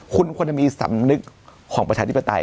คุณควรจะมีสำนึกของประชาธิปไตย